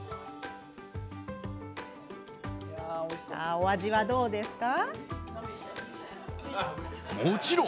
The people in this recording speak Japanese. お味はどうですか？